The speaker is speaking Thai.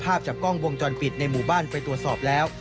ภาพจากกล้องวงจรปิดในหมู่บ้านไปตรวจสอบแล้ว